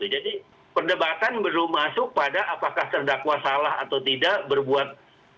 jadi perdebatan belum masuk pada apakah terdakwa salah atau tidak